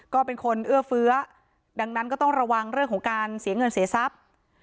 ก็เป็นคนเอื้อเฟื้อดังนั้นก็ต้องระวังเรื่องของการเสียเงินเสียทรัพย์